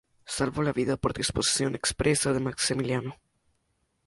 Salvó la vida por disposición expresa de Maximiliano.